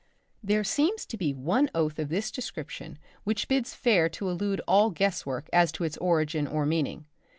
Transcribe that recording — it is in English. There seems to be one oath of this description which bids fair to elude all guess work as to its origin or meaning.